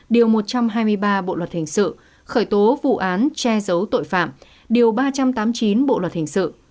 điều một trăm hai mươi ba bộ luật hình sự khởi tố vụ án che giấu tội phạm điều ba trăm tám mươi chín bộ luật hình sự